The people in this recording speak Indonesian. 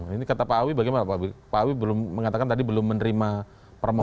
ini kata pak awi bagaimana pak awi belum mengatakan tadi belum menerima permohonan